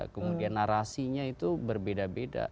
kemudian narasinya itu berbeda